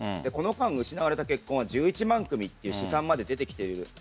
この間、失われた結婚は１１万組という試算まで出てきている。